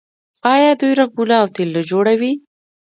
آیا دوی رنګونه او تیل نه جوړوي؟